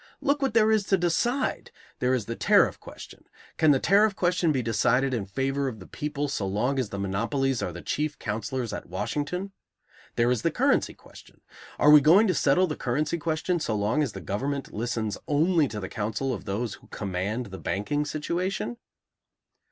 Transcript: Look what there is to decide! There is the tariff question. Can the tariff question be decided in favor of the people, so long as the monopolies are the chief counselors at Washington? There is the currency question. Are we going to settle the currency question so long as the government listens only to the counsel of those who command the banking situation?